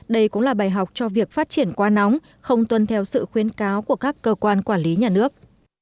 đây cũng là bài học cho việc phát triển quá nóng không tuân theo sự khuyến cáo của các cơ quan quản lý nhà nước